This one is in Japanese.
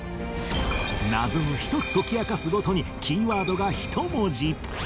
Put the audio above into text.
謎を１つ解き明かすごとにキーワードが１文字